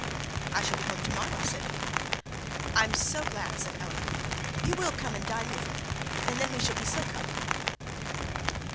'I shall be home to morrow,' said he. 'I am so glad,' said Eleanor. 'You will come and dine with me, and then we shall be so comfortable.'